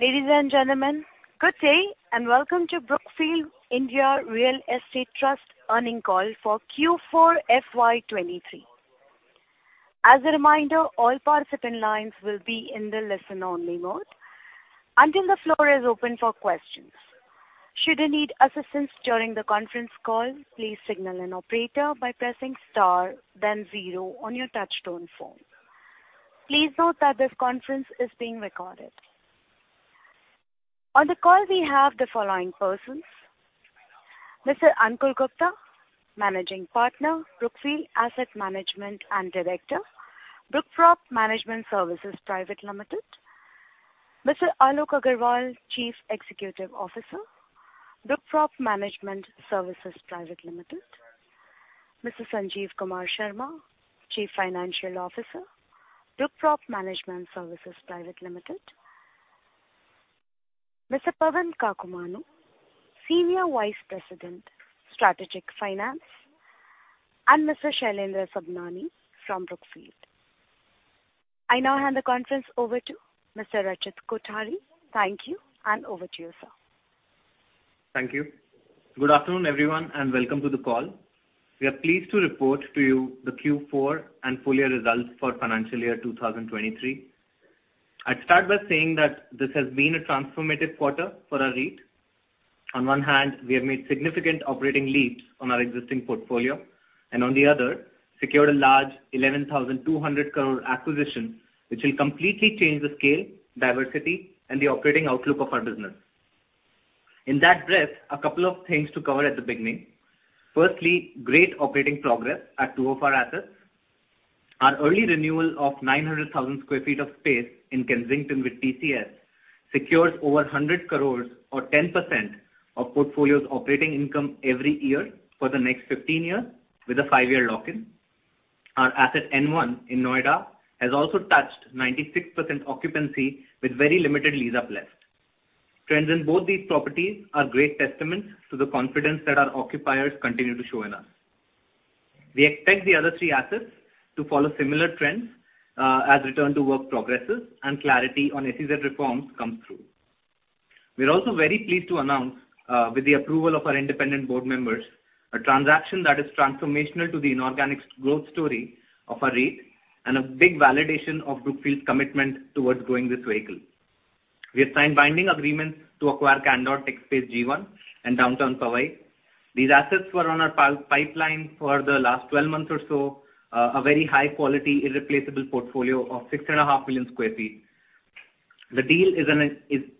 Ladies and gentlemen, good day and welcome to Brookfield India Real Estate Trust earnings call for Q4 FY 2023. As a reminder, all participant lines will be in the listen-only mode until the floor is open for questions. Should you need assistance during the conference call, please signal an operator by pressing star then zero on your touchtone phone. Please note that this conference is being recorded. On the call, we have the following persons: Mr. Ankur Gupta, Managing Partner, Brookfield Asset Management and Director, BrookProp Management Services Private Limited. Mr. Alok Aggarwal, Chief Executive Officer, BrookProp Management Services Private Limited. Mr. Sanjeev Kumar Sharma, Chief Financial Officer, BrookProp Management Services Private Limited. Mr. Pawan Kakumanu, Senior Vice President, Strategic Finance, and Mr. Shailendra Sabhnani from Brookfield. I now hand the conference over to Mr. Rachit Kothari. Thank you, and over to you, sir. Thank you. Good afternoon, everyone, Welcome to the call. We are pleased to report to you the Q4 and full year results for financial year 2023. I'd start by saying that this has been a transformative quarter for our REIT. On one hand, we have made significant operating leaps on our existing portfolio On the other, secured a large 11,200 crore acquisition, which will completely change the scale, diversity, and the operating outlook of our business. In that breath, a couple of things to cover at the beginning. Great operating progress at two of our assets. Our early renewal of 900,000 sq ft of space in Kensington with TCS secures over 100 crore or 10% of portfolio's operating income every year for the next 15 years with a five-year lock-in. Our asset N1 in Noida has also touched 96% occupancy with very limited lease-up left. Trends in both these properties are great testament to the confidence that our occupiers continue to show in us. We expect the other three assets to follow similar trends as return to work progresses and clarity on SEZ reforms comes through. We're also very pleased to announce with the approval of our independent board members, a transaction that is transformational to the inorganic growth story of our REIT and a big validation of Brookfield's commitment towards growing this vehicle. We have signed binding agreements to acquire Candor TechSpace G1 and Downtown Powai. These assets were on our pipeline for the last 12 months or so. A very high quality, irreplaceable portfolio of 6.5 million sq ft. The deal is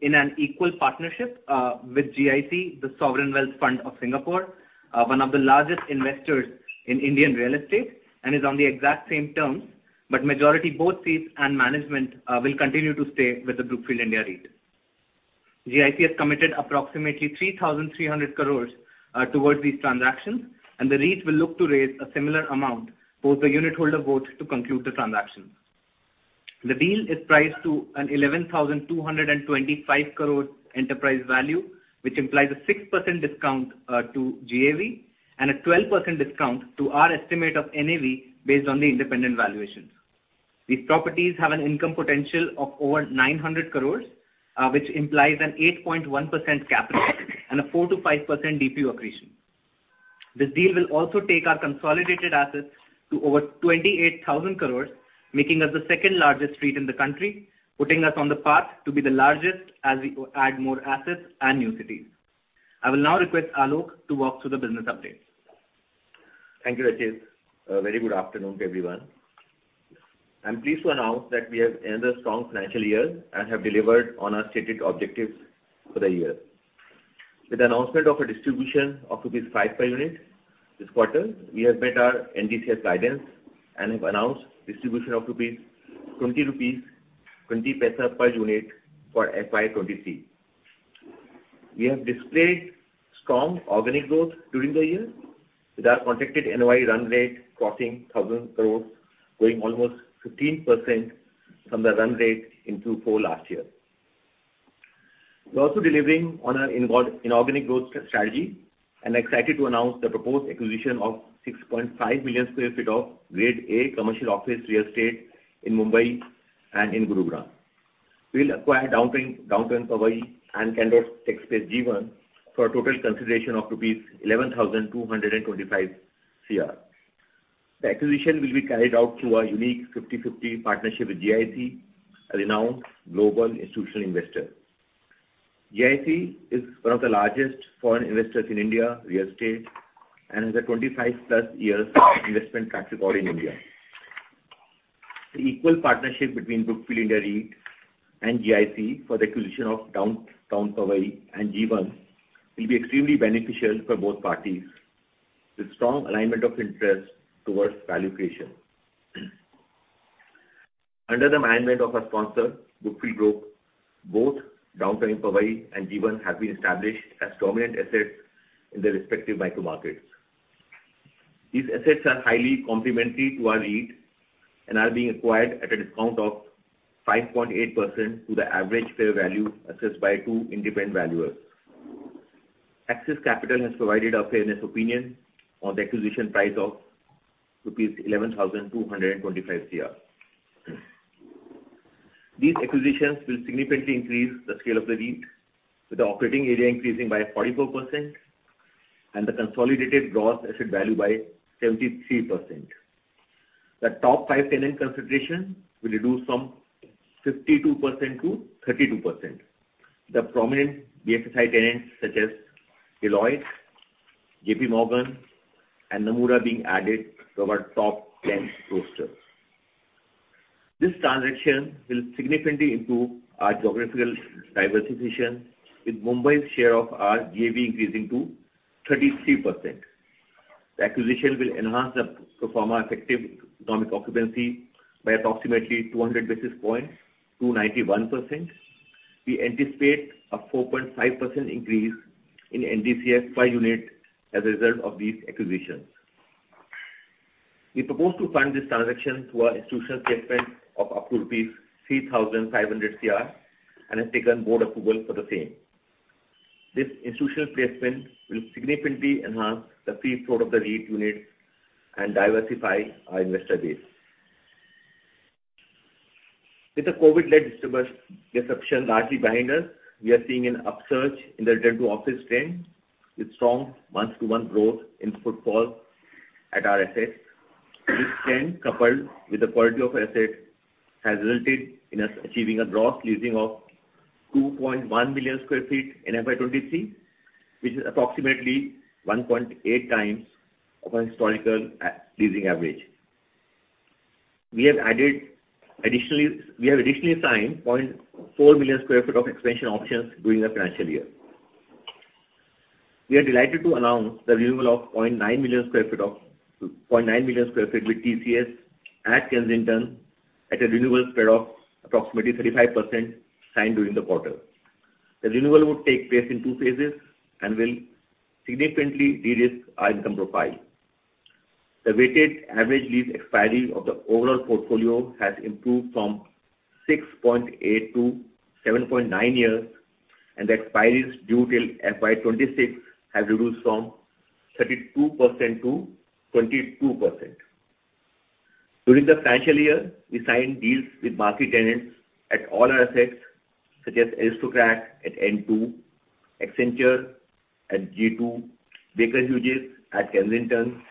in an equal partnership with GIC, the Sovereign Wealth Fund of Singapore, one of the largest investors in Indian real estate, and is on the exact same terms, but majority board seats and management will continue to stay with the Brookfield India REIT. GIC has committed approximately 3,300 crore towards these transactions, and the REIT will look to raise a similar amount post the unit holder votes to conclude the transaction. The deal is priced to an 11,225 crore enterprise value, which implies a 6% discount to GAV and a 12% discount to our estimate of NAV based on the independent valuations. These properties have an income potential of over 900 crores, which implies an 8.1% cap rate and a 4%-5% DPU accretion. This deal will also take our consolidated assets to over 28,000 crores, making us the second-largest REIT in the country, putting us on the path to be the largest as we add more assets and new cities. I will now request Alok to walk through the business updates. Thank you, Rachit. A very good afternoon to everyone. I'm pleased to announce that we have ended a strong financial year and have delivered on our stated objectives for the year. With the announcement of a distribution of rupees 5 per unit this quarter, we have met our NDCF guidance and have announced distribution of 20.20 rupees per unit for FY 2023. We have displayed strong organic growth during the year with our contracted NOI run rate crossing 1,000 crore, growing almost 15% from the run rate in Q4 last year. We're also delivering on our inorganic growth strategy and are excited to announce the proposed acquisition of 6.5 million sq ft of Grade A commercial office real estate in Mumbai and in Gurugram. We'll acquire Downtown Powai and Candor TechSpace G1 for a total consideration of rupees 11,225 crore. The acquisition will be carried out through our unique 50/50 partnership with GIC, a renowned global institutional investor. GIC is one of the largest foreign investors in India real estate and has a 25+ years investment track record in India. The equal partnership between Brookfield India REIT and GIC for the acquisition of Downtown Powai and G1 will be extremely beneficial for both parties, with strong alignment of interest towards value creation. Under the management of our sponsor, Brookfield Group, both Downtown Powai and G1 have been established as dominant assets in their respective micro markets. These assets are highly complementary to our REIT and are being acquired at a discount of 5.8% to the average fair value assessed by two independent valuers. Axis Capital has provided a fairness opinion on the acquisition price of rupees 11,225 crore. These acquisitions will significantly increase the scale of the REIT, with the operating area increasing by 44% and the consolidated gross asset value by 73%. The top five tenant concentration will reduce from 52% to 32%. The prominent BFSI tenants such as Deloitte, JPMorgan, and Nomura being added to our top 10 roster. This transaction will significantly improve our geographical diversification, with Mumbai's share of our GAV increasing to 33%. The acquisition will enhance the proforma effective economic occupancy by approximately 200 basis points to 91%. We anticipate a 4.5% increase in NDCF per unit as a result of these acquisitions. We propose to fund this transaction through our institutional placement of up to rupees 3,500 crore, and have taken board approval for the same. This institutional placement will significantly enhance the free float of the REIT unit and diversify our investor base. With the COVID-led disruption largely behind us, we are seeing an upsurge in the return to office trend, with strong month-to-month growth in footfall at our assets. This trend, coupled with the quality of asset, has resulted in us achieving a gross leasing of 2.1 million sq ft in FY 2023, which is approximately 1.8x of our historical leasing average. We have additionally signed 0.4 million sq ft of expansion options during the financial year. We are delighted to announce the renewal of 0.9 million sq ft with TCS at Kensington at a renewal spread of approximately 35% signed during the quarter. The renewal would take place in two phases and will significantly de-risk our income profile. The weighted average lease expiry of the overall portfolio has improved from 6.8 to 7.9 years, and the expiries due till FY 2026 have reduced from 32% to 22%. During the financial year, we signed deals with market tenants at all our assets, such as Aristocrat at N2, Accenture at G2, Baker Hughes at Kensington,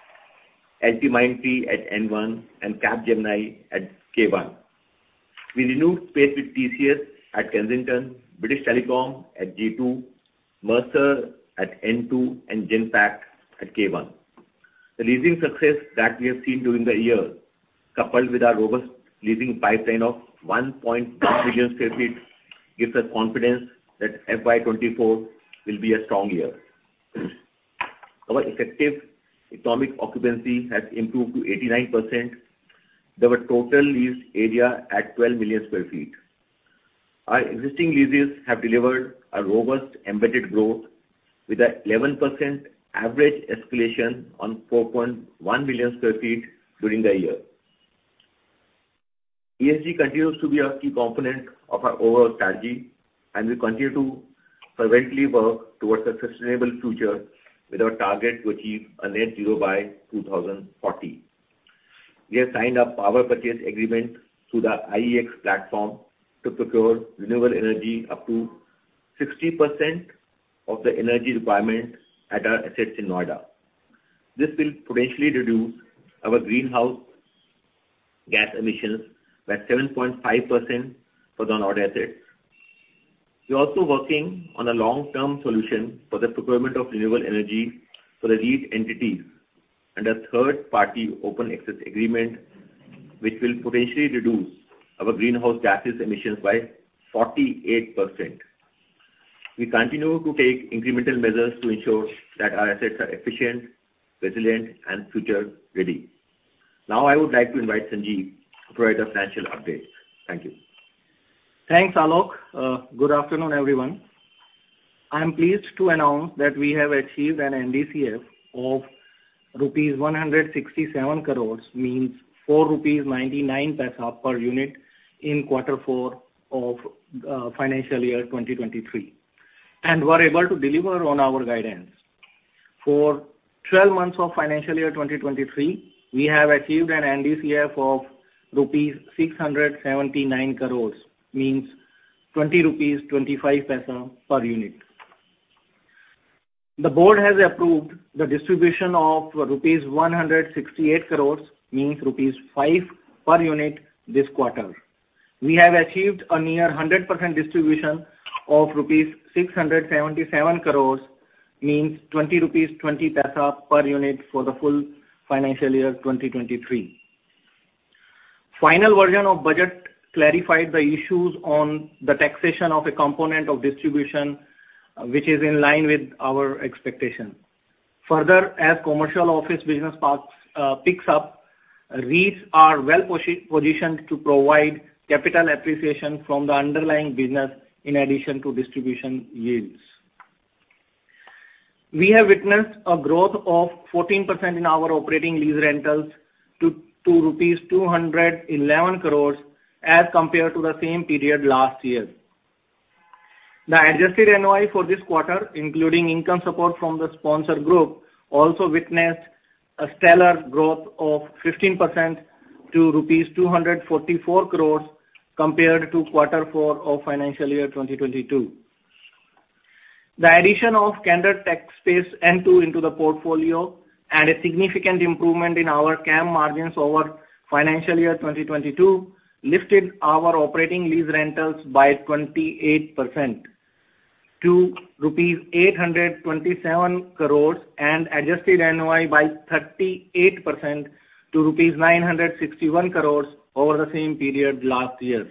LTIMindtree at N1, and Capgemini at K1. We renewed space with TCS at Kensington, British Telecom at G2, Mercer at N2, and Genpact at K1. The leasing success that we have seen during the year, coupled with our robust leasing pipeline of 1.1 million sq ft, gives us confidence that FY 2024 will be a strong year. Our effective economic occupancy has improved to 89%. There were total leased area at 12 million sq ft. Our existing leases have delivered a robust embedded growth with an 11% average escalation on 4.1 million sq ft during the year. ESG continues to be a key component of our overall strategy, and we continue to fervently work towards a sustainable future with our target to achieve a net zero by 2040. We have signed a power purchase agreement through the IEX platform to procure renewable energy up to 60% of the energy requirement at our assets in Noida. This will potentially reduce our greenhouse gas emissions by 7.5% for the Noida assets. We're also working on a long-term solution for the procurement of renewable energy for the REIT entities under third-party open access agreement, which will potentially reduce our greenhouse gases emissions by 48%. We continue to take incremental measures to ensure that our assets are efficient, resilient, and future ready. I would like to invite Sanjeev to provide a financial update. Thank you. Thanks, Alok. Good afternoon, everyone. I am pleased to announce that we have achieved an NDCF of rupees 167 crores, means 4.99 rupees per unit in quarter four of financial year 2023. We are able to deliver on our guidance. For 12 months of financial year 2023, we have achieved an NDCF of rupees 679 crores, means 20.25 rupees per unit. The board has approved the distribution of rupees 168 crores, means rupees 5 per unit this quarter. We have achieved a near 100% distribution of rupees 677 crores, means 20.20 rupees per unit for the full financial year 2023. Final version of budget clarified the issues on the taxation of a component of distribution, which is in line with our expectation. Further, as commercial office business parks picks up, REITs are well positioned to provide capital appreciation from the underlying business in addition to distribution yields. We have witnessed a growth of 14% in our operating lease rentals to rupees 211 crores compared to the same period last year. The adjusted NOI for this quarter, including income support from the Sponsor Group, also witnessed a stellar growth of 15% to rupees 244 crores compared to quarter four of financial year 2022. The addition of Candor TechSpace N2 into the portfolio and a significant improvement in our CAM margins over financial year 2022 lifted our operating lease rentals by 28% to rupees 827 crores and adjusted NOI by 38% to rupees 961 crores over the same period last year.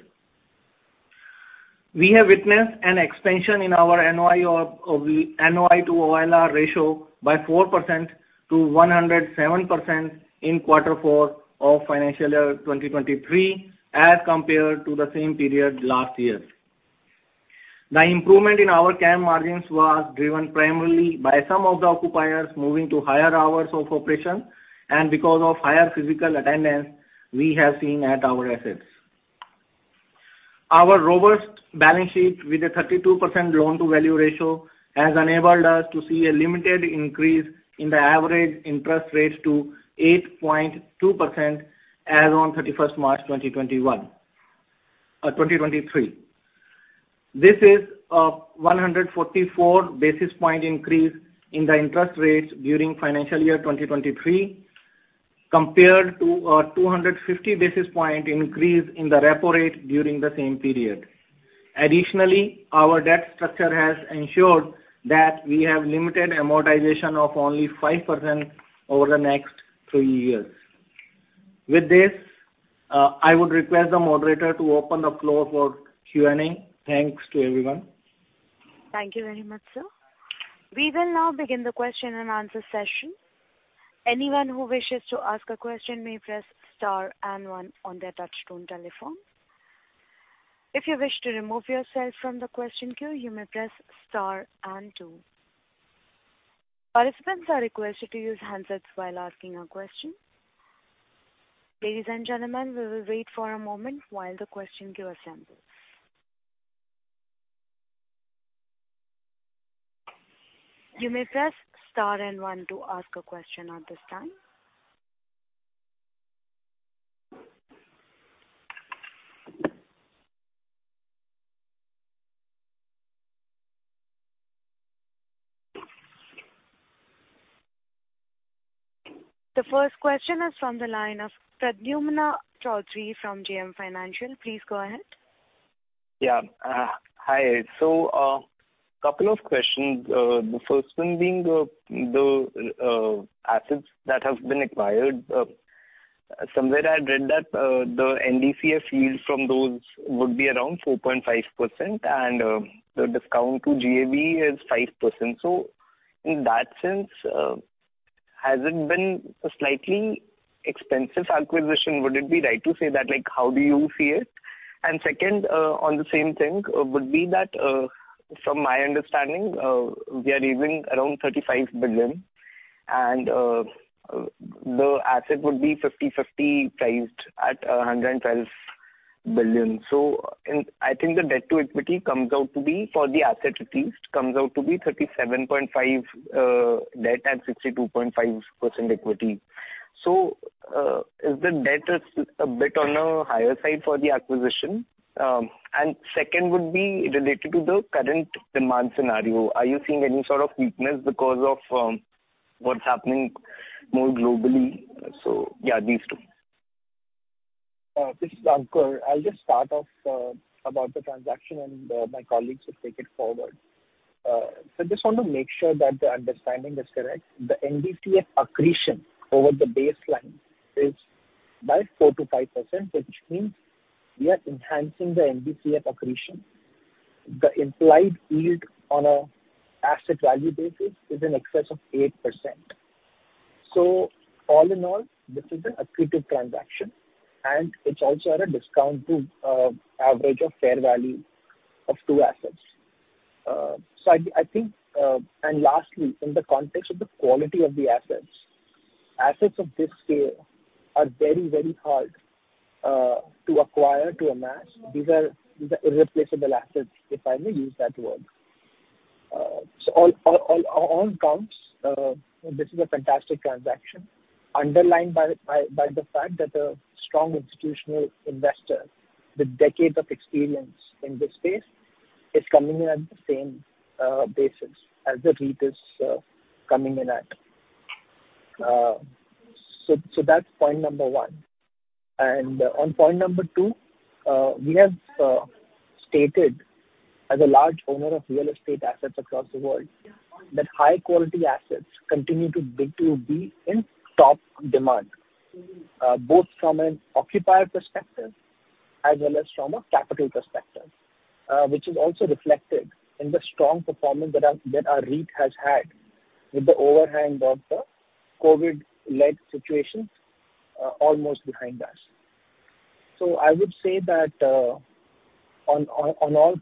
We have witnessed an expansion in our NOI or the NOI to OLR ratio by 4% to 107% in Q4 of financial year 2023, as compared to the same period last year. The improvement in our CAM margins was driven primarily by some of the occupiers moving to higher hours of operation. Because of higher physical attendance we have seen at our assets. Our robust balance sheet with a 32% Loan-to-Value ratio has enabled us to see a limited increase in the average interest rates to 8.2% as on March 31st 2023. This is a 144 basis point increase in the interest rates during financial year 2023, compared to a 250 basis point increase in the repo rate during the same period. Additionally, our debt structure has ensured that we have limited amortization of only 5% over the next three years. With this, I would request the moderator to open the floor for Q&A. Thanks to everyone. Thank you very much, sir. We will now begin the question-and-answer session. Anyone who wishes to ask a question may press star and one on their touchtone telephone. If you wish to remove yourself from the question queue, you may press star and two. Participants are requested to use handsets while asking a question. Ladies and gentlemen, we will wait for a moment while the question queue assembles. You may press star and one to ask a question at this time. The first question is from the line of Pradyumna Choudhary from JM Financial. Please go ahead. Yeah. Hi. Couple of questions. The first one being, the assets that have been acquired. Somewhere I read that the NDCF yield from those would be around 4.5%, and the discount to GAV is 5%. In that sense, has it been a slightly expensive acquisition? Would it be right to say that? Like, how do you see it? Second, on the same thing, would be that from my understanding, we are raising around 35 billion and the asset would be 50/50 priced at 112 billion. I think the debt-to-equity comes out to be, for the asset at least, comes out to be 37.5% debt and 62.5% equity. Is the debt a bit on a higher side for the acquisition? Second would be related to the current demand scenario. Are you seeing any sort of weakness because of what's happening more globally? Yeah, these two. This is Ankur. I'll just start off about the transaction and my colleagues will take it forward. I just want to make sure that the understanding is correct. The NDCF accretion over the baseline is by 4%-5%, which means we are enhancing the NDCF accretion. The implied yield on an asset value basis is in excess of 8%. All in all, this is an accretive transaction, and it's also at a discount to average of fair value of two assets. I think. Lastly, in the context of the quality of the assets of this scale are very, very hard to acquire, to amass. These are irreplaceable assets, if I may use that word. All counts, this is a fantastic transaction underlined by the fact that a strong institutional investor with decades of experience in this space is coming in at the same basis as the REIT is coming in at. That's point number one. On point number two, we have stated as a large owner of real estate assets across the world, that high quality assets continue to be in top demand, both from an occupier perspective as well as from a capital perspective, which is also reflected in the strong performance that our REIT has had with the overhang of the COVID-led situations, almost behind us. I would say that. On all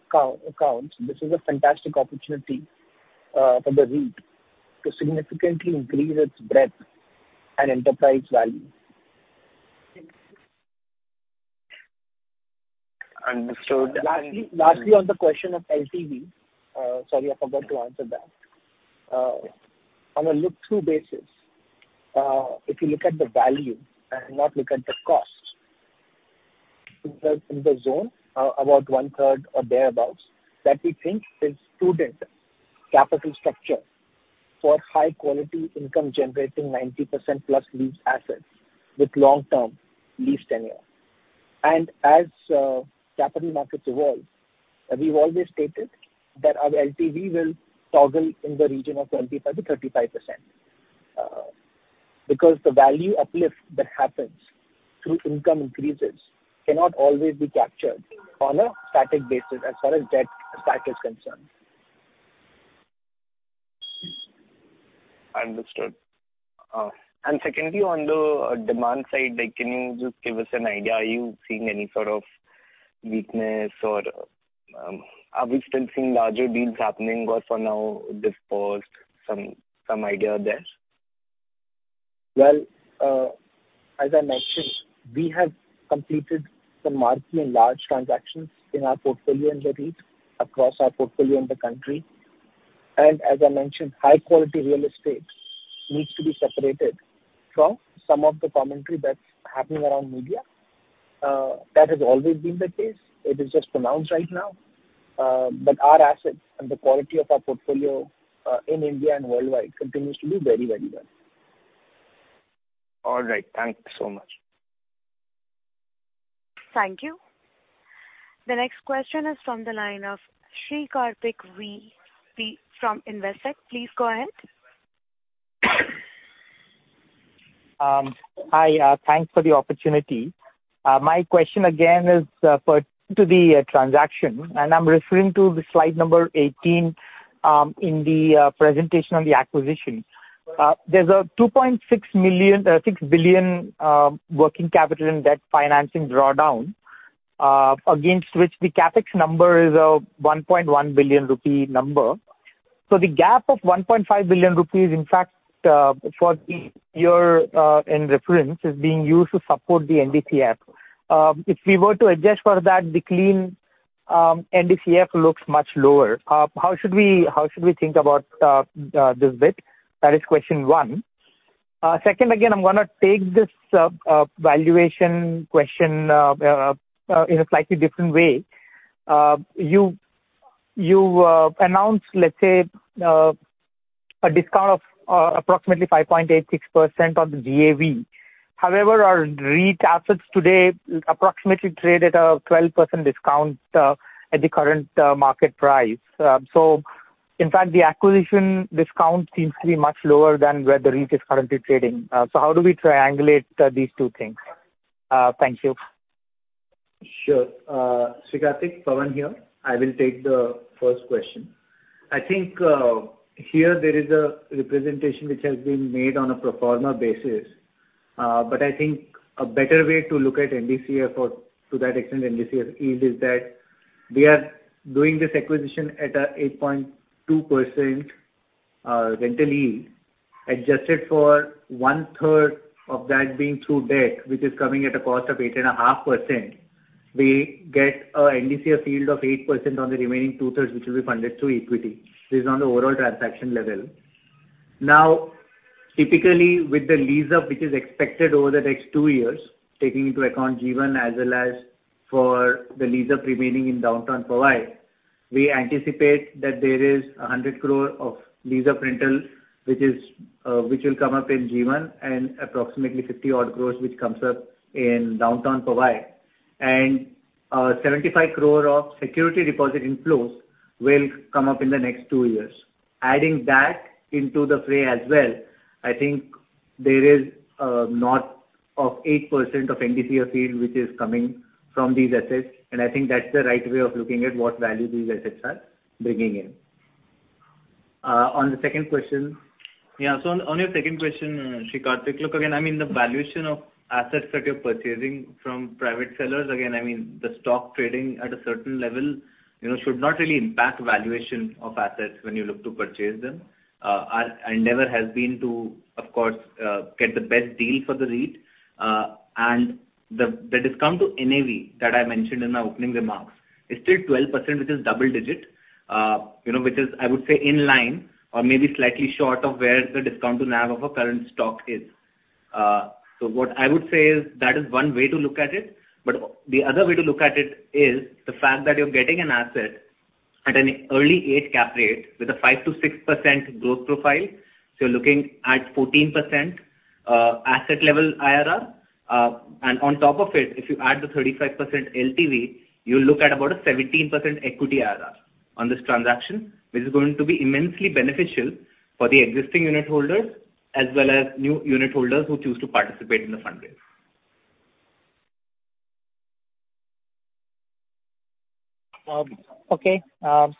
accounts, this is a fantastic opportunity for the REIT to significantly increase its breadth and enterprise value. Understood. Lastly, on the question of LTV. Sorry, I forgot to answer that. On a look-through basis, if you look at the value and not look at the cost, in the zone, about one third or thereabouts, that we think is prudent capital structure for high quality income generating 90% plus lease assets with long-term lease tenure. As capital markets evolve, we've always stated that our LTV will toggle in the region of 25%-35%. Because the value uplift that happens through income increases cannot always be captured on a static basis as far as debt stack is concerned. Understood. Secondly, on the demand side, like, can you just give us an idea, are you seeing any sort of weakness or, are we still seeing larger deals happening or for now dispersed? Some idea there. Well, as I mentioned, we have completed some markedly large transactions in our portfolio in the REIT across our portfolio in the country. As I mentioned, high quality real estate needs to be separated from some of the commentary that's happening around media. That has always been the case. It is just pronounced right now. But our assets and the quality of our portfolio in India and worldwide continues to do very, very well. All right. Thank you so much. Thank you. The next question is from the line of Sri Karthik Velamakanni from Investec. Please go ahead. Hi. Thanks for the opportunity. My question again is to the transaction, and I'm referring to the slide number 18 in the presentation on the acquisition. There's a 2.6 billion working capital and debt financing drawdown, against which the CapEx number is a 1.1 billion rupee. The gap of 1.5 billion rupees, in fact, for the year in reference, is being used to support the NDCF. If we were to adjust for that, the clean NDCF looks much lower. How should we think about this bit? That is question one. Second, again, I'm gonna take this valuation question in a slightly different way. You announced, let's say, a discount of approximately 5.86% on the VAV. However, our REIT assets today approximately trade at a 12% discount, at the current market price. In fact, the acquisition discount seems to be much lower than where the REIT is currently trading. How do we triangulate these two things? Thank you. Sure. Sri Karthik, Pawan here. I will take the first question. I think, here there is a representation which has been made on a pro forma basis. I think a better way to look at NDCF or to that extent, NDCF yield is that we are doing this acquisition at a 8.2% rental yield, adjusted for one third of that being through debt, which is coming at a cost of 8.5%. We get a NDCF yield of 8% on the remaining two thirds, which will be funded through equity. This is on the overall transaction level. Now, typically, with the lease-up which is expected over the next two years, taking into account G1 as well as for the lease-up remaining in Downtown Powai, we anticipate that there is 100 crore of lease-up rentals, which will come up in G1 and approximately 50 odd crores which comes up in Downtown Powai. 75 crore of security deposit inflows will come up in the next two years. Adding that into the fray as well, I think there is north of 8% of NDCF yield which is coming from these assets, and I think that's the right way of looking at what value these assets are bringing in. On the second question. On your second question, Srikarthik, look, again, I mean, the valuation of assets that you're purchasing from private sellers, again, I mean, the stock trading at a certain level, you know, should not really impact valuation of assets when you look to purchase them. Our endeavor has been to, of course, get the best deal for the REIT. And the discount to NAV that I mentioned in my opening remarks is still 12%, which is double digit. You know, which is, I would say, in line or maybe slightly short of where the discount to NAV of a current stock is. What I would say is that is one way to look at it, but the other way to look at it is the fact that you're getting an asset at an early 8% cap rate with a 5%-6% growth profile. You're looking at 14%, asset level IRR. And on top of it, if you add the 35% LTV, you look at about a 17% equity IRR on this transaction. This is going to be immensely beneficial for the existing unit holders as well as new unit holders who choose to participate in the fundraise. Okay.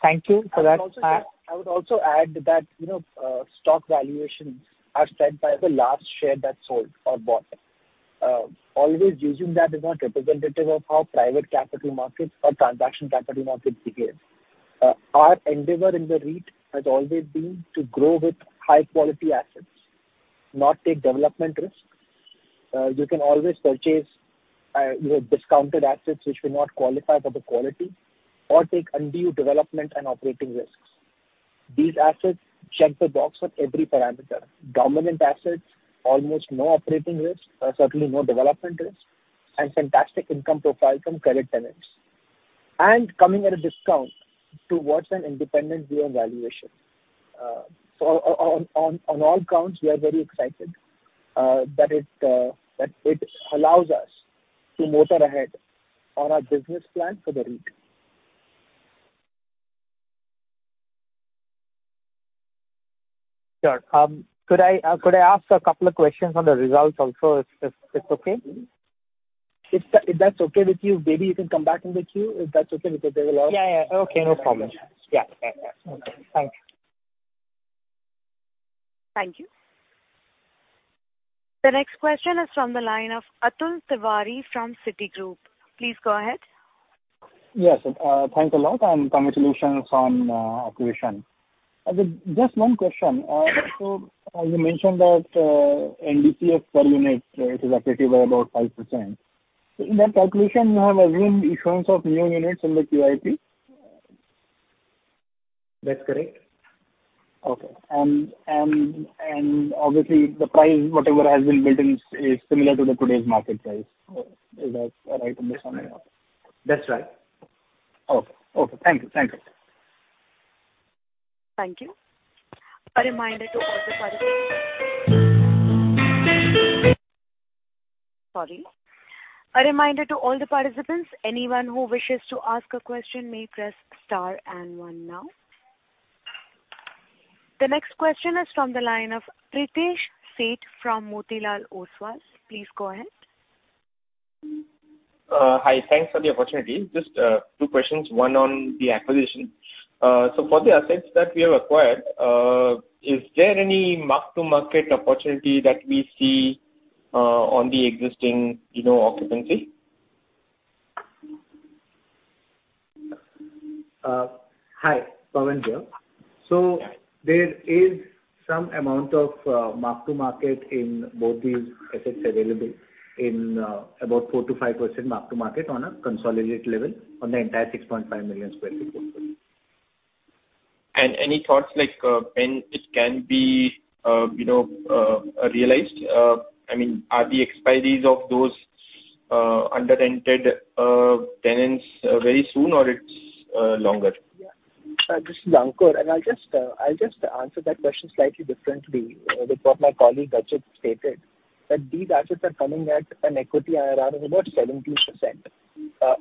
Thank you for that. I would also add that, you know, stock valuations are set by the last share that's sold or bought. Always using that as a representative of how private capital markets or transaction capital markets behave. Our endeavor in the REIT has always been to grow with high quality assets, not take development risk. You can always purchase, you know, discounted assets which will not qualify for the quality or take undue development and operating risks. These assets check the box on every parameter. Dominant assets, almost no operating risk, certainly no development risk and fantastic income profile from credit tenants, and coming at a discount towards an independent view of valuation. On all counts, we are very excited that it that it allows us to motor ahead on our business plan for the REIT. Sure. Could I ask a couple of questions on the results also if okay? If that's okay with you. Maybe you can come back in the queue, if that's okay. Yeah, yeah. Okay, no problem. Yeah. Yeah, yeah. Okay. Thank you. Thank you. The next question is from the line of Atul Tiwari from Citigroup. Please go ahead. Yes. Thanks a lot. Congratulations on acquisition. Atul, just one question. You mentioned that NDCF per unit, it is accretive by about 5%. In that calculation, you have assumed issuance of new units in the QIP? That's correct. Okay. Obviously the price whatever has been built in is similar to the today's market price. Is that right, Ankur Gupta, or no? That's right. Okay. Okay. Thank you. Thank you. Thank you. A reminder to all the participants, anyone who wishes to ask a question may press star and one now. The next question is from the line of Pritesh Sheth from Motilal Oswal. Please go ahead. Hi. Thanks for the opportunity. Just two questions, one on the acquisition. For the assets that we have acquired, is there any mark-to-market opportunity that we see, on the existing, you know, occupancy? Hi. Pawan here. There is some amount of mark-to-market in both these assets available in about 4%-5% mark-to-market on a consolidated level on the entire 6.5 million sq ft portfolio. Any thoughts like, when it can be, you know, realized? I mean, are the expiries of those under-rented tenants very soon or it's longer? Yeah. This is Ankur, I'll just answer that question slightly differently, with what my colleague Rachit stated, that these assets are coming at an equity IRR of about 17%.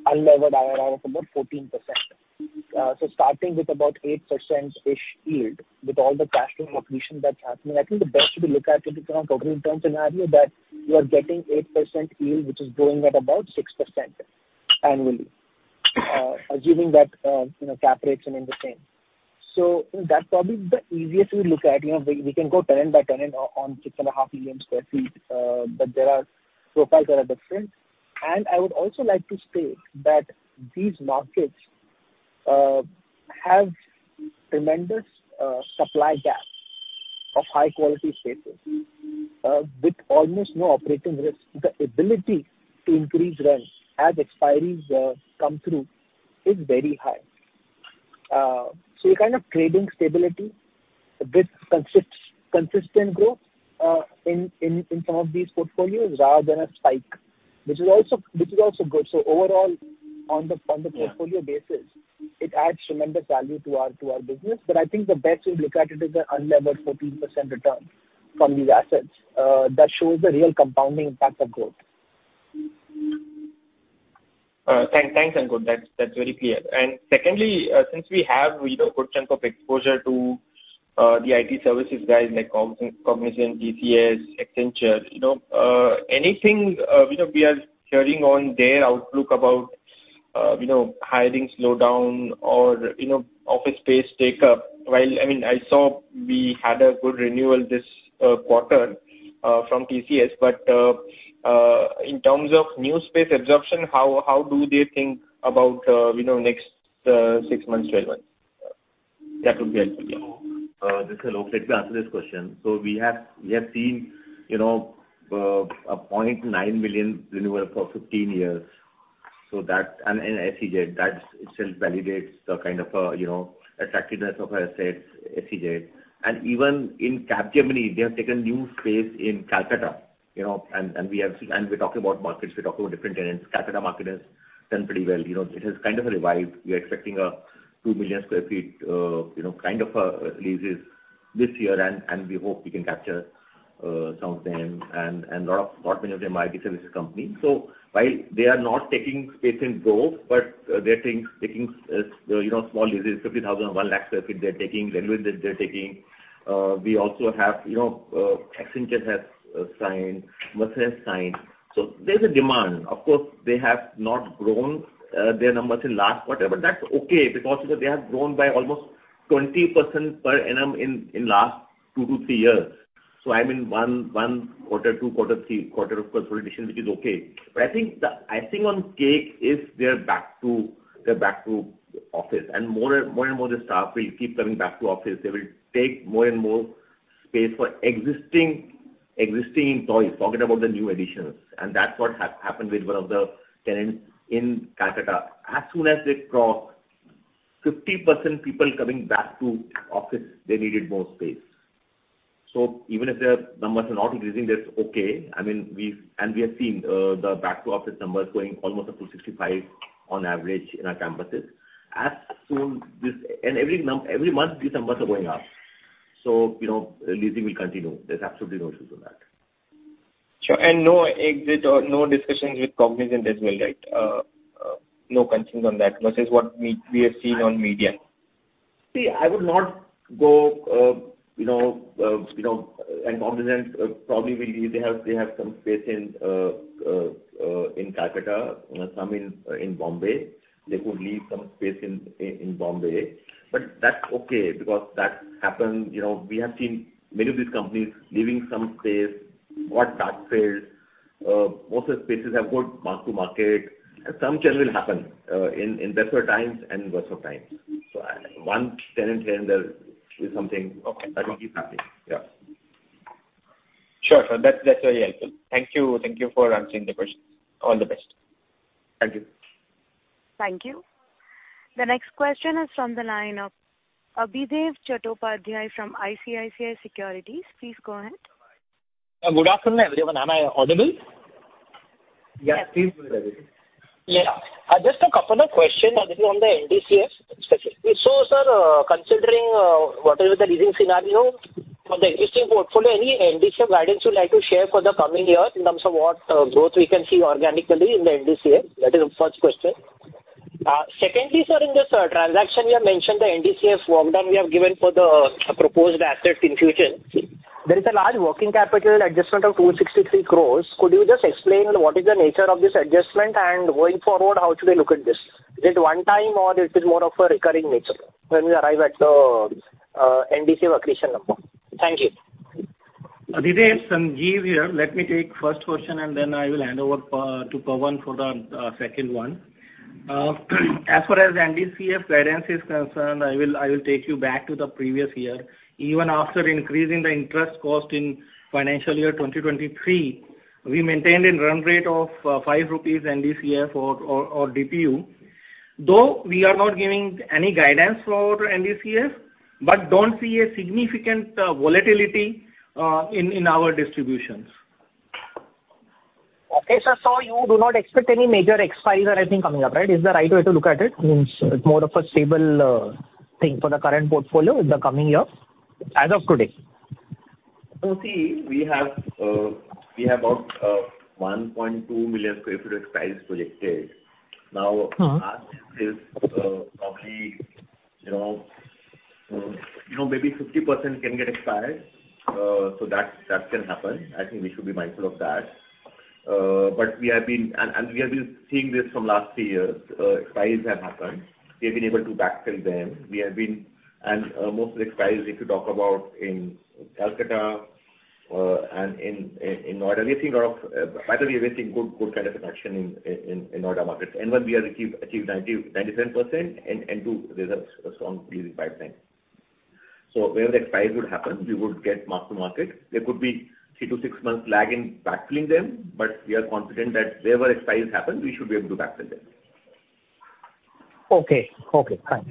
unlevered IRR of about 14%. starting with about 8%-ish yield with all the cash flow accretion that's happening, I think the best way to look at it from a total return scenario that you are getting 8% yield, which is growing at about 6% annually, assuming that, you know, cap rates remain the same. That's probably the easiest way to look at. You know, we can go tenant by tenant on 6.5 million sq ft. but there are profiles that are different. I would also like to state that these markets have tremendous supply gap of high quality spaces with almost no operating risk. The ability to increase rents as expiries come through is very high. You're kind of trading stability with consistent growth in some of these portfolios rather than a spike, which is also good. Overall, on the portfolio basis, it adds tremendous value to our business. I think the best way to look at it is an unlevered 14% return from these assets that shows the real compounding impact of growth. Thanks, Ankur. That's very clear. Secondly, since we have, you know, good chunk of exposure to the IT services guys like Cognizant, TCS, Accenture, you know, anything, you know, we are hearing on their outlook about, you know, hiring slowdown or, you know, office space take up? I mean, I saw we had a good renewal this quarter from TCS, but in terms of new space absorption, how do they think about, you know, next six months, 12 months? That would be Alok. This is Alok. Let me answer this question. We have seen, you know, a 0.9 million renewal for 15 years. That's, SEZ, that itself validates the kind of, you know, attractiveness of our assets, SEZ. Even in Capgemini, they have taken new space in Calcutta, you know, we have seen. We're talking about markets, we're talking about different tenants. Calcutta market has done pretty well. You know, it has kind of revived. We are expecting a 2 million sq ft, you know, kind of leases this year, we hope we can capture some of them. Lot many of them are IT services company. While they are not taking space in growth, but they're taking, you know, small leases, 50,000, 1 lakh sq ft, they're taking, renewals they're taking. We also have, you know, Accenture has signed, Mercer has signed. There's a demand. Of course, they have not grown their numbers in last quarter, but that's okay because, you know, they have grown by almost 20% per annum in last two to three years. I mean, one quarter, two quarter, three quarter, of course, consolidation, which is okay. I think the icing on cake is they're back to office. More and more the staff will keep coming back to office. They will take more and more space for existing employees, forget about the new additions. That's what has happened with one of the tenants in Calcutta. As soon as they crossed 50% people coming back to office, they needed more space. Even if their numbers are not increasing, that's okay. I mean, we have seen the back to office numbers going almost up to 65 on average in our campuses. As soon this. Every month these numbers are going up. You know, leasing will continue. There's absolutely no issues on that. Sure. No exit or no discussions with Cognizant as well, right? No concerns on that versus what we have seen on media. I would not go, you know, you know, Cognizant probably will leave. They have some space in Calcutta, some in Bombay. They could leave some space in Bombay. That's okay because that happens. You know, we have seen many of these companies leaving some space, got backfilled. Most of the spaces have good mark to market. Some churn will happen in better times and worse of times. One tenant here and there is something that will keep happening. Yeah. Sure, sir. That's very helpful. Thank you. Thank you for answering the questions. All the best. Thank you. Thank you. The next question is from the line of Adhidev Chattopadhyay from ICICI Securities. Please go ahead. Good afternoon, everyone. Am I audible? Yeah. Please go ahead. Yeah. Just a couple of questions. This is on the NDCF specifically. Sir, considering whatever the leasing scenario for the existing portfolio, any NDCF guidance you'd like to share for the coming year in terms of what growth we can see organically in the NDCF? That is the first question. Secondly, sir, in this transaction, you have mentioned the NDCF walk down we have given for the proposed assets in future. There is a large working capital adjustment of 263 crores. Could you just explain what is the nature of this adjustment? Going forward, how should we look at this? Is it one time or it is more of a recurring nature when we arrive at the NDCF accretion number? Thank you. Adhidev, Sanjeev here. Let me take first question, and then I will hand over to Pawan for the second one. As far as NDCF guidance is concerned, I will take you back to the previous year. Even after increasing the interest cost in financial year 2023, we maintained a run rate of 5 rupees NDCF or DPU. Though we are not giving any guidance for our NDCF, but don't see a significant volatility in our distributions. Okay, sir. You do not expect any major expires or anything coming up, right? Is the right way to look at it? Means it's more of a stable thing for the current portfolio in the coming years as of today. See, we have about 1.2 million sq ft of space projected. Uh-huh. Out of this, probably, you know, you know, maybe 50% can get expired. That, that can happen. I think we should be mindful of that. We have been seeing this from last three years. Expires have happened. We have been able to backfill them. We have been. Most of the expires if you talk about in Calcutta, and in Noida. We're seeing lot of, by the way, we're seeing good kind of expansion in, in Noida markets. N1 we have achieved 97%. In N2 there's a strong leasing pipeline. Where the expire would happen, we would get mark-to-market. There could be three to six months lag in backfilling them, but we are confident that wherever expires happen, we should be able to backfill them. Okay. Okay, thanks.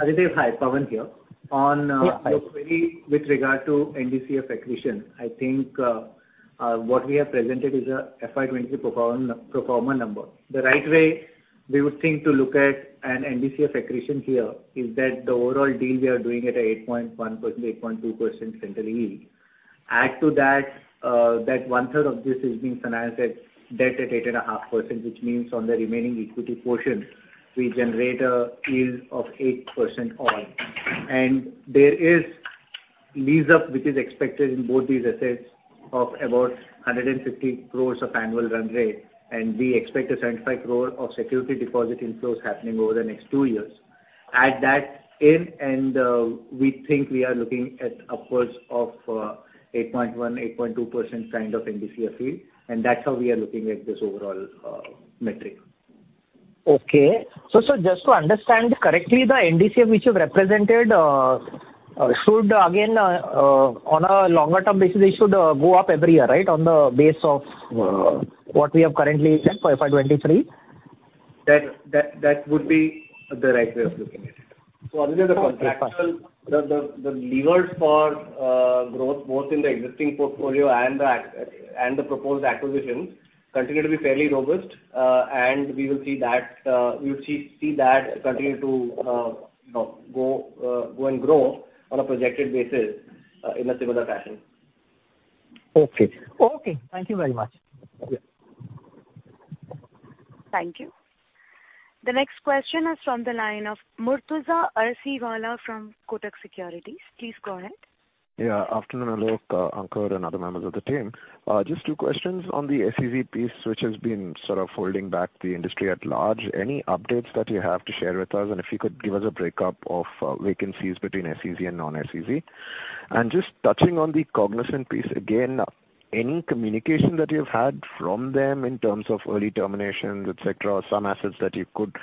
Adhidev, hi. Pawan here. Yeah, hi. On your query with regard to NDCF accretion, I think what we have presented is a FY 2023 performer number. The right way we would think to look at an NDCF accretion here is that the overall deal we are doing at a 8.1%, 8.2% center yield. Add to that one third of this is being financed at debt at 8.5%, which means on the remaining equity portion, we generate a yield of 8% odd. There is lease up, which is expected in both these assets of about 150 crore of annual run rate. We expect a 75 crore of security deposit inflows happening over the next two years. Add that in, and, we think we are looking at upwards of 8.1%, 8.2% kind of NDCF yield, and that's how we are looking at this overall metric. Okay. Sir, just to understand correctly, the NDCF which you've represented, should again, on a longer term basis, it should go up every year, right, on the base of what we have currently said for FY 2023? That would be the right way of looking at it. Adhidev, the contractual- Okay, fine. The levers for growth both in the existing portfolio and the proposed acquisitions continue to be fairly robust. We will see that, we'll see that continue to, you know, go and grow on a projected basis, in a similar fashion. Okay. Okay. Thank you very much. Yes. Thank you. The next question is from the line of Murtuza Arsiwalla from Kotak Securities. Please go ahead. Yeah. Afternoon, Alok, Ankur, and other members of the team. Just two questions on the SEZ piece, which has been sort of holding back the industry at large. Any updates that you have to share with us? If you could give us a breakup of vacancies between SEZ and non-SEZ. Just touching on the Cognizant piece again, any communication that you've had from them in terms of early terminations, et cetera, or some assets that you could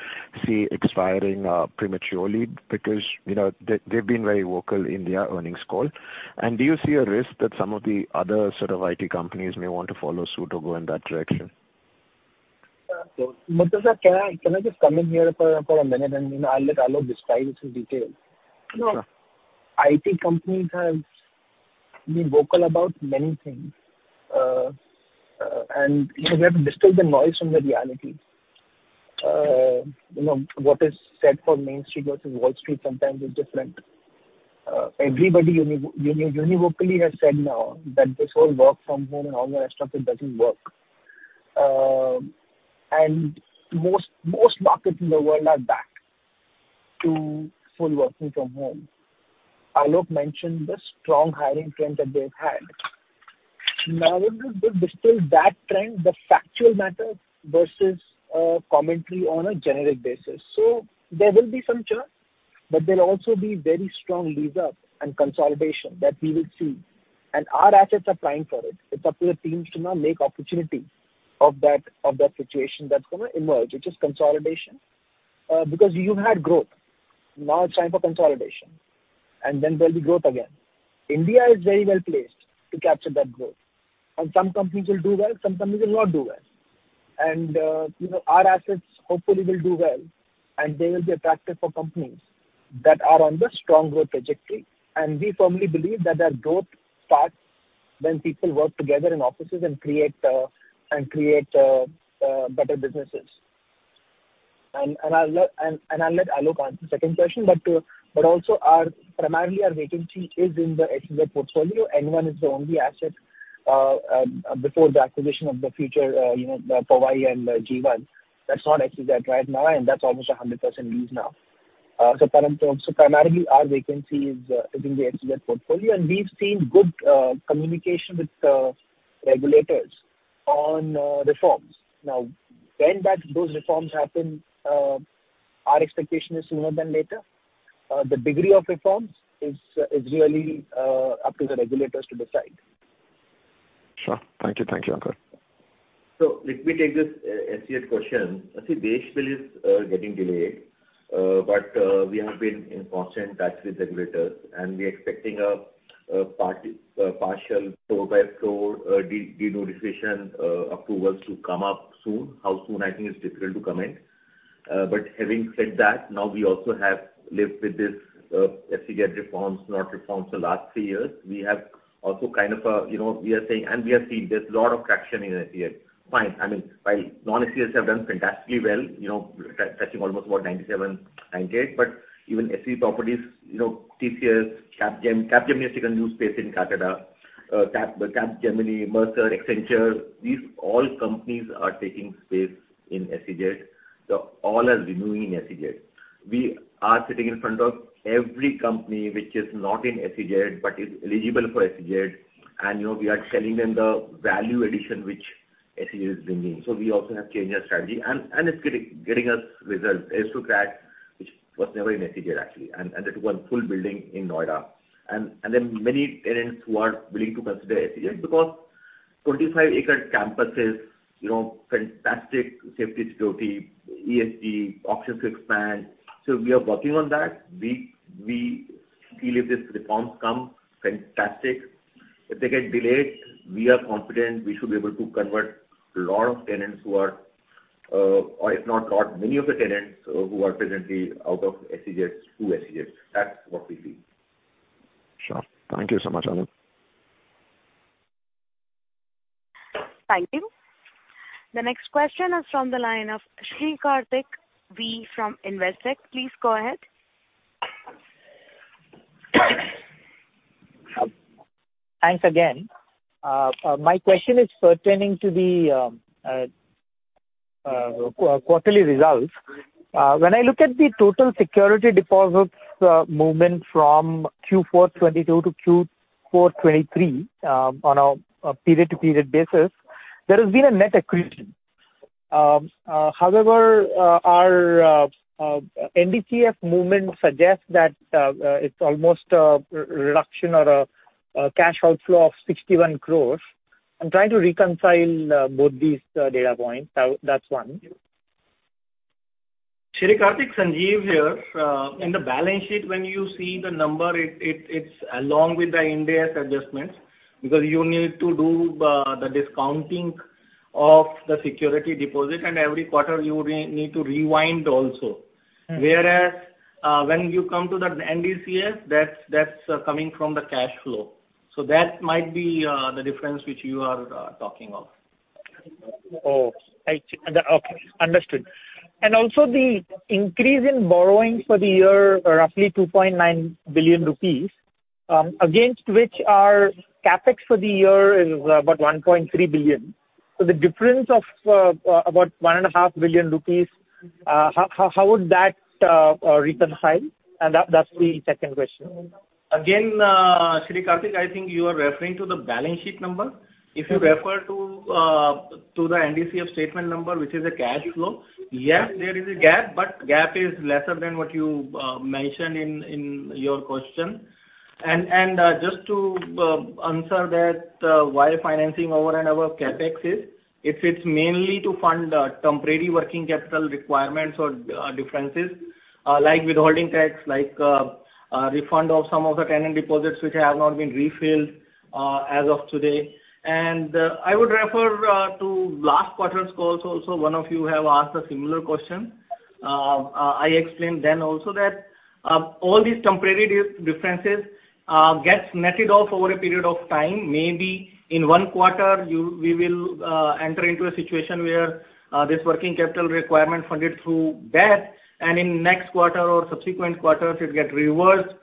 see expiring prematurely? Because, you know, they've been very vocal in their earnings call. Do you see a risk that some of the other sort of IT companies may want to follow suit or go in that direction? Murtuza, can I just come in here for a minute, and, you know, I'll let Alok describe it in detail. Sure. You know, IT companies have been vocal about many things. You know, we have to distill the noise from the reality. You know, what is said for Main Street versus Wall Street sometimes is different. Everybody univocally has said now that this whole work from home and all that stuff, it doesn't work. Most markets in the world are back to full working from home. Alok mentioned the strong hiring trend that they've had. We'll just distill that trend, the factual matter versus commentary on a generic basis. There will be some churn, but there'll also be very strong lease up and consolidation that we will see. Our assets are primed for it. It's up to the teams to now make opportunity of that situation that's going to emerge, which is consolidation. Because you've had growth. Now it's time for consolidation, then there'll be growth again. India is very well-placed to capture that growth. Some companies will do well, some companies will not do well. You know, our assets hopefully will do well, and they will be attractive for companies that are on the strong growth trajectory. We firmly believe that their growth starts when people work together in offices and create, and create better businesses. I'll let Alok answer the second question. But also primarily our vacancy is in the SEZ portfolio. N-One is the only asset before the acquisition of the future, you know, the Powai and G-One. That's not SEZ right now, and that's almost 100% leased now. Primarily our vacancy is in the SEZ portfolio, and we've seen good communication with regulators on reforms. When those reforms happen, our expectation is sooner than later. The degree of reforms is really up to the regulators to decide. Sure. Thank you. Thank you, Ankur. Let me take this SEZ question. Sandeep Deshpande is getting delayed. We have been in constant touch with regulators, and we're expecting a partial floor-by-floor denotification approvals to come up soon. How soon, I think it's difficult to comment. Having said that, now we also have lived with this SEZ reforms, not reforms for the last three years. We have also kind of, you know, we are saying, and we have seen there's a lot of traction in SEZ. Fine. I mean, while non-SEZs have done fantastically well, you know, touching almost about 97%, 98%. Even SE properties, you know, TCS, Capgemini has taken new space in Calcutta. Capgemini, Mercer, Accenture, these all companies are taking space in SEZ. All are renewing SEZ. We are sitting in front of every company which is not in SEZ, but is eligible for SEZ. You know, we are telling them the value addition which SEZ is bringing. We also have changed our strategy. It's getting us results. Aristocrat, which was never in SEZ actually, they took one full building in Noida. Many tenants who are willing to consider SEZ because 25 acre campuses, you know, fantastic safety, security, ESG, options to expand. We are working on that. We feel if these reforms come, fantastic. If they get delayed, we are confident we should be able to convert a lot of tenants who are, or if not lot, many of the tenants who are presently out of SEZs to SEZs. That's what we feel. Sure. Thank you so much, Alok. Thank you. The next question is from the line of Sri Karthik V. from Investec. Please go ahead. Thanks again. My question is pertaining to the quarterly results. When I look at the total security deposits movement from Q4 2022 to Q4 2023, on a period-to-period basis, there has been a net accretion. However, our NDCF movement suggests that it's almost a reduction or a cash outflow of 61 crores. I'm trying to reconcile both these data points. That's one. Sri Karthik, Sanjeev here. In the balance sheet, when you see the number, it's along with the IND AS adjustments, because you need to do the discounting of the security deposit, and every quarter you need to rewind also. Mm-hmm. When you come to the NDCF, that's coming from the cash flow. That might be the difference which you are talking of. Oh, I see. Okay. Understood. Also the increase in borrowings for the year, roughly 2.9 billion rupees, against which our CapEx for the year is about 1.3 billion. The difference of about 1.5 billion rupees, how would that reconcile? That's the second question. Sri Karthik, I think you are referring to the balance sheet number. Yes. If you refer to the NDCF statement number, which is a cash flow, yes, there is a gap is lesser than what you mentioned in your question. Just to answer that, why financing over and above CapEx is, it's mainly to fund temporary working capital requirements or differences, like withholding tax, like refund of some of the tenant deposits which have not been refilled as of today. I would refer to last quarter's calls also. One of you have asked a similar question. I explained then also that all these temporary differences gets netted off over a period of time. Maybe in one quarter we will enter into a situation where this working capital requirement funded through debt. In next quarter or subsequent quarters, it gets reversed.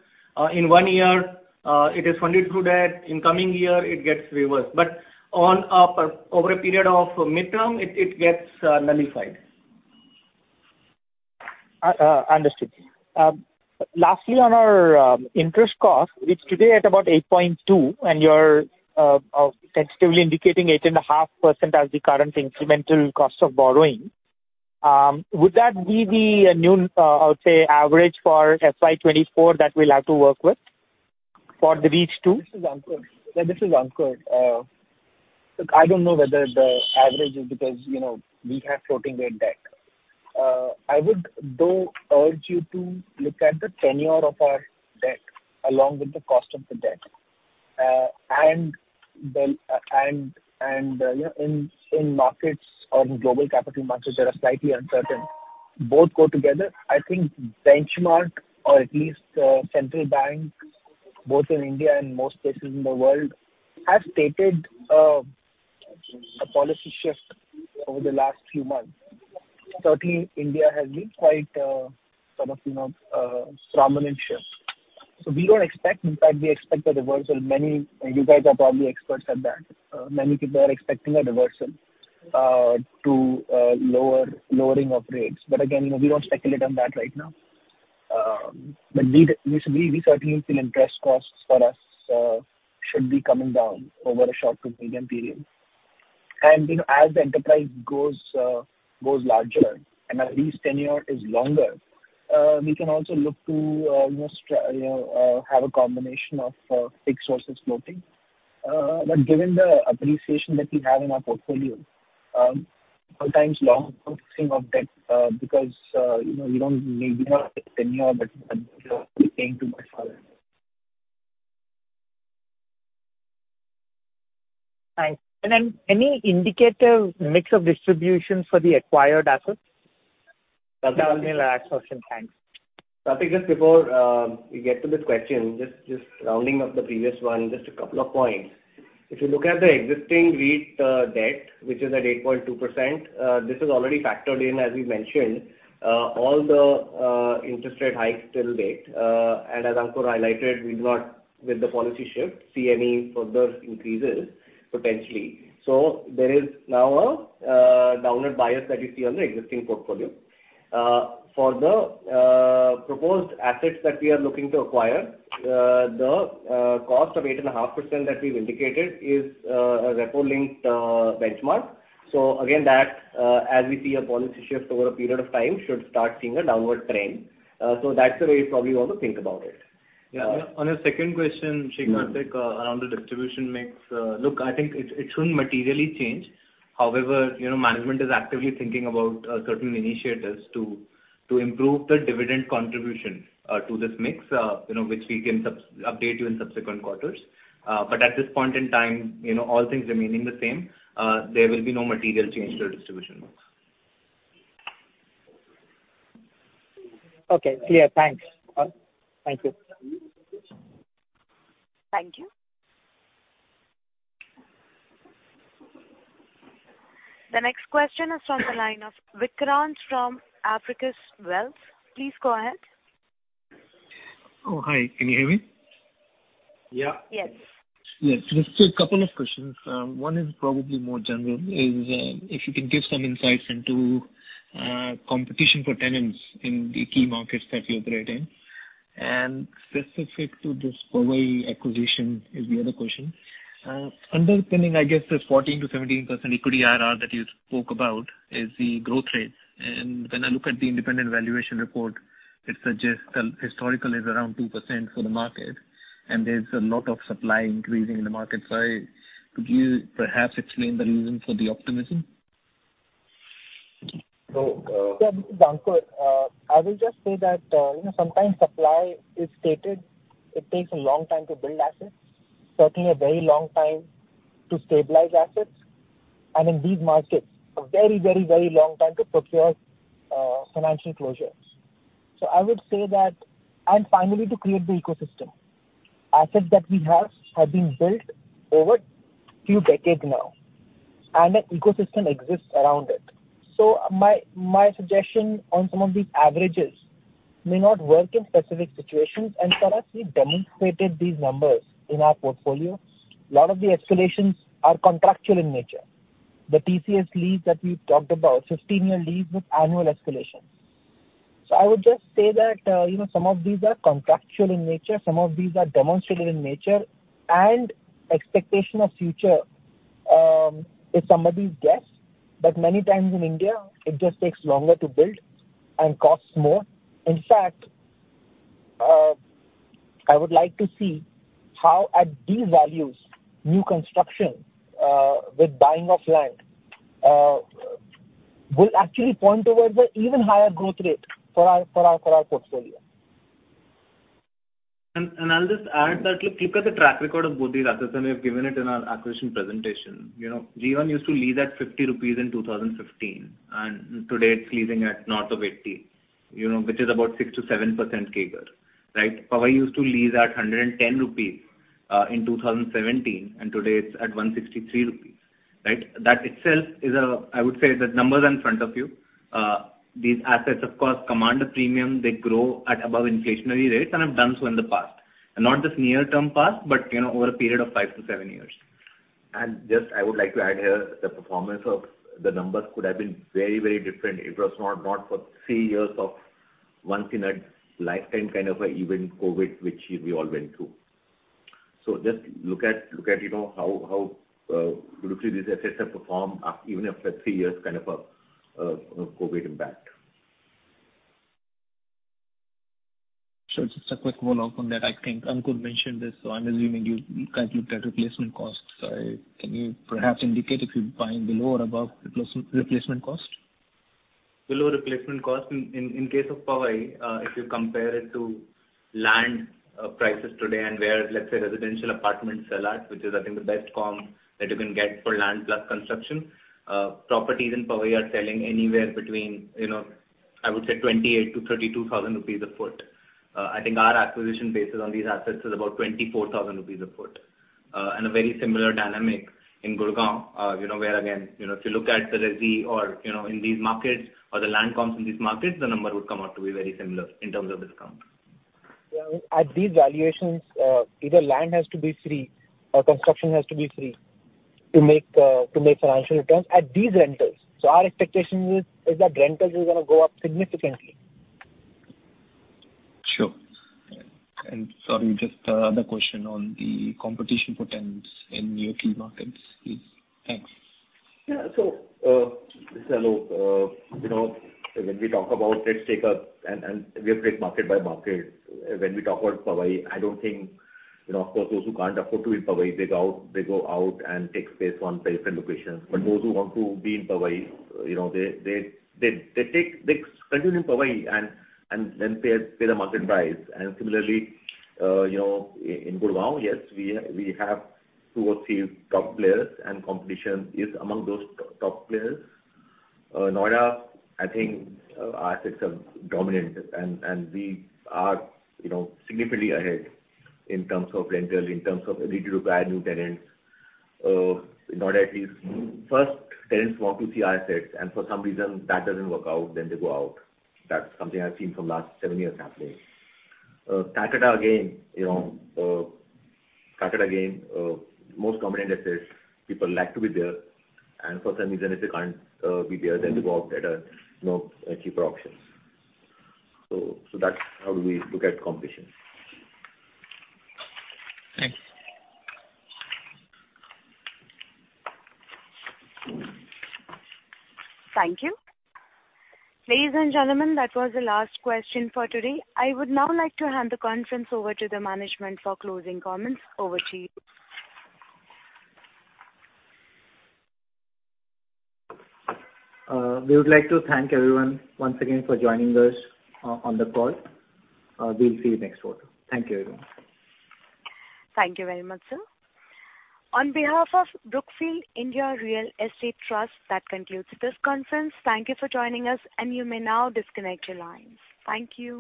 In one year, it is funded through debt. In coming year, it gets reversed. On a per-over a period of midterm, it gets nullified. Understood. Lastly, on our interest cost, it's today at about 8.2, and you're tentatively indicating 8.5% as the current incremental cost of borrowing. Would that be the new, I would say, average for FY 2024 that we'll have to work with for the REIT too? This is Ankur. Yeah, this is Ankur. Look, I don't know whether the average is because, you know, we have floating rate debt. I would, though, urge you to look at the tenure of our debt along with the cost of the debt. The, you know, in markets or in global capital markets that are slightly uncertain, both go together. I think benchmark or at least, central banks, both in India and most places in the world, have stated, a policy shift over the last few months. Certainly India has been quite, sort of, you know, prominent shift. We don't expect. In fact, we expect a reversal. You guys are probably experts at that. Many people are expecting a reversal, to, lower, lowering of rates. Again, you know, we won't speculate on that right now. We certainly feel interest costs for us should be coming down over a short to medium period. You know, as the enterprise grows larger and our lease tenure is longer, we can also look to almost, you know, have a combination of fixed versus floating. Given the appreciation that we have in our portfolio, sometimes long focusing of debt, because, you know, we don't need, we have a tenure, but we're paying too much for that. Thanks. Then any indicative mix of distribution for the acquired assets? Karthik, just before we get to this question, just rounding up the previous one, just a couple of points. If you look at the existing REIT debt, which is at 8.2%, this is already factored in, as we mentioned, all the interest rate hikes till date. As Ankur highlighted, we do not, with the policy shift, see any further increases potentially. There is now a downward bias that we see on the existing portfolio. For the proposed assets that we are looking to acquire, the cost of 8.5% that we've indicated is a repo-linked benchmark. Again, that as we see a policy shift over a period of time, should start seeing a downward trend. That's the way you probably want to think about it. Yeah. On a second question, Sri Karthik, around the distribution mix. Look, I think it shouldn't materially change. However, you know, management is actively thinking about certain initiatives to improve the dividend contribution to this mix, you know, which we can update you in subsequent quarters. At this point in time, you know, all things remaining the same, there will be no material change to the distribution mix. Okay. Clear. Thanks. Thank you. Thank you. The next question is from the line of Vikrant from Apricus Wealth. Please go ahead. Hi. Can you hear me? Yeah. Yes. Yes. Just a couple of questions. one is probably more general, is, if you can give some insights into competition for tenants in the key markets that you operate in. Specific to this Powai acquisition is the other question. Underpinning, I guess, this 14%-17% equity IRR that you spoke about is the growth rates. When I look at the independent valuation report, it suggests, historical is around 2% for the market, and there's a lot of supply increasing in the market. Could you perhaps explain the reason for the optimism? So, uh- Ankur. I will just say that, you know, sometimes supply is stated. It takes a long time to build assets, certainly a very long time to stabilize assets, and in these markets, a very, very, very long time to procure financial closures. I would say that. Finally, to create the ecosystem. Assets that we have have been built over few decades now, and an ecosystem exists around it. My suggestion on some of these averages. May not work in specific situations, and for us, we've demonstrated these numbers in our portfolio. A lot of the escalations are contractual in nature. The TCS lease that we've talked about, 15-year lease with annual escalation. I would just say that, you know, some of these are contractual in nature, some of these are demonstrated in nature, and expectation of future is somebody's guess. Many times in India, it just takes longer to build and costs more. In fact, I would like to see how at these values, new construction, with buying of land, will actually point towards an even higher growth rate for our portfolio. I'll just add that look at the track record of both these assets, and we have given it in our acquisition presentation. You know, G1 used to lease at 50 rupees in 2015, and today it's leasing at north of 80, you know, which is about 6%-7% CAGR. Right? Powai used to lease at 110 rupees in 2017, and today it's at 163 rupees. Right? That itself, I would say the numbers are in front of you. These assets of course, command a premium. They grow at above inflationary rates and have done so in the past, and not just near-term past, but you know, over a period of five to seven years. Just I would like to add here the performance of the numbers could have been very, very different if it was not for three years of once in a lifetime kind of a event, COVID, which we all went through. Just look at, you know, how Brookfield, these assets have performed even after three years kind of a COVID impact. Sure. Just a quick follow-up on that. I think Ankur mentioned this, I'm assuming you guys looked at replacement costs. Can you perhaps indicate if you're buying below or above replacement cost? Below replacement cost. In case of Powai, if you compare it to land prices today and where, let's say residential apartments sell at, which is I think the best comp that you can get for land plus construction, properties in Powai are selling anywhere between, you know, I would say 28,000-32,000 rupees a foot. I think our acquisition basis on these assets is about 24,000 rupees a foot. A very similar dynamic in Gurgaon, you know, where again, you know, if you look at the resi or, you know, in these markets or the land comps in these markets, the number would come out to be very similar in terms of discount. Yeah. At these valuations, either land has to be free or construction has to be free to make financial returns at these rentals. Our expectation is that rentals is going to go up significantly. Sure. Sorry, just, another question on the competition for tenants in your key markets, please. Thanks. Yeah. This is Alok. You know, when we talk about let's take and we have to take market by market. When we talk about Powai, I don't think, you know, of course, those who can't afford to live Powai, they go out, they go out and take space on different locations. But those who want to be in Powai, you know, they take, they continue in Powai and pay the market price. Similarly, you know, in Gurugram, yes, we have two or three top players. Competition is among those top players. Noida, I think, our assets are dominant. We are, you know, significantly ahead in terms of rentals, in terms of ability to acquire new tenants. Noida at least first tenants want to see our assets, and for some reason, if that doesn't work out, then they go out. That's something I've seen from last seven years happening. Calcutta again, you know, Calcutta again, most prominent assets. People like to be there, and for some reason, if they can't be there, then they go out at a, you know, cheaper options. That's how we look at competition. Thanks. Thank you. Ladies and gentlemen, that was the last question for today. I would now like to hand the conference over to the management for closing comments. Over to you. We would like to thank everyone once again for joining us on the call. We'll see you next quarter. Thank you, everyone. Thank you very much, sir. On behalf of Brookfield India Real Estate Trust, that concludes this conference. Thank you for joining us, and you may now disconnect your lines. Thank you.